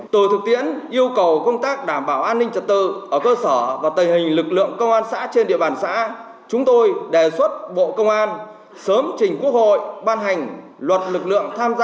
từ thực tiễn yêu cầu công tác đảm bảo an ninh trật tự ở cơ sở và tình hình lực lượng công an xã trên địa bàn xã chúng tôi đề xuất bộ công an sớm trình quốc hội ban hành luật lực lượng tham gia